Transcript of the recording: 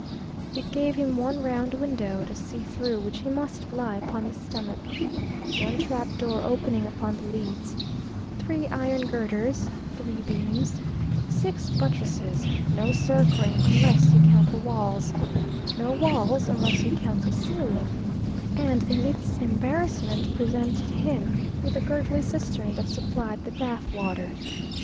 It gave him one round window, to see through which he must lie upon his stomach, one trapdoor opening upon the leads, three iron girders, three beams, six buttresses, no circling, unless you count the walls, no walls unless you count the ceiling and in its embarrassment presented him with the gurgly cistern that supplied the bath water.